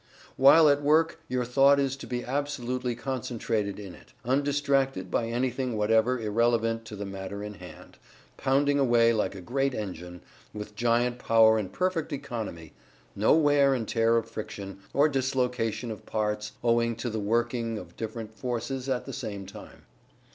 "While at work your thought is to be absolutely concentrated in it, undistracted by anything whatever irrelevant to the matter in hand pounding away like a great engine, with giant power and perfect economy no wear and tear of friction, or dislocation of parts owing to the working of different forces at the same time.